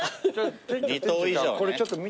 ２等以上ね。